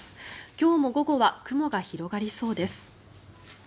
今日も午後は雲が広がりそうです。